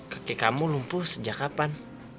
kakek kamu lumpuh sejak kapan